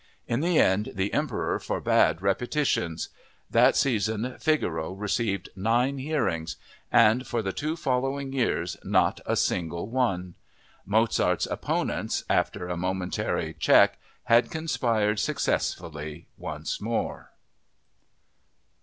In the end the Emperor forbade repetitions. That season Figaro received nine hearings—and for the two following years not a single one! Mozart's opponents, after a momentary check, had conspired successfully once more.